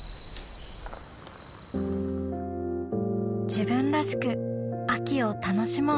自分らしく秋を楽しもう